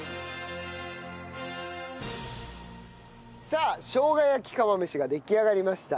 さあしょうが焼き釜飯が出来上がりました。